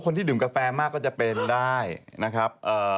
ที่ดื่มกาแฟมากก็จะเป็นได้นะครับเอ่อ